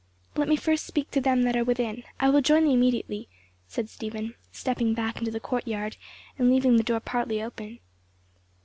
"Let me first speak to them that are within, I will join thee immediately," said Stephen, stepping back into the courtyard and leaving the door partly open.